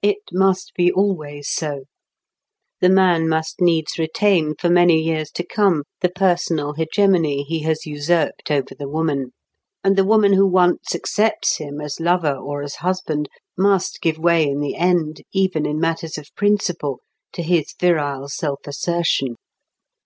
It must be always so. The man must needs retain for many years to come the personal hegemony he has usurped over the woman; and the woman who once accepts him as lover or as husband must give way in the end, even in matters of principle, to his virile self assertion.